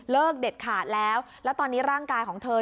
เด็ดขาดแล้วแล้วตอนนี้ร่างกายของเธอ